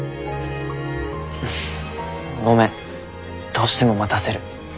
ごめんどうしても待たせる。